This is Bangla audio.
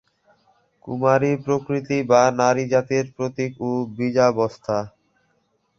কুমারী প্রকৃতি বা নারী জাতির প্রতীক ও বীজাবস্থা।